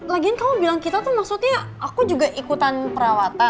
lagiin kamu bilang kita tuh maksudnya aku juga ikutan perawatan